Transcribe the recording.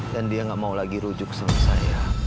dan dia gak mau lagi rujuk sama saya